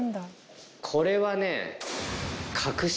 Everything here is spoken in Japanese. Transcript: これはね。